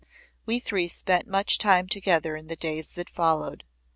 We three spent much time together in the days that followed.